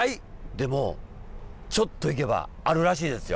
でもちょっと行けばあるらしいですよ。